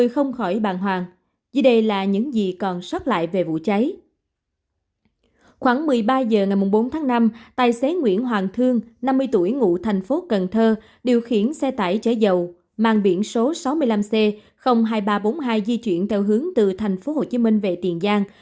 khoảng một mươi ba h ngày bốn tháng năm tài xế nguyễn hoàng thương năm mươi tuổi ngụ thành phố cần thơ điều khiển xe tải chở dầu mang biển số sáu mươi năm c hai nghìn ba trăm bốn mươi hai di chuyển theo hướng từ thành phố hồ chí minh về tiền giang